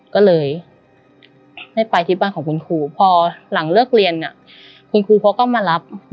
ก็เลยให้ไปที่บ้านของคุณครูพอหลังเลิกเรียนเนี่ยคุณครูเขาก็มารับ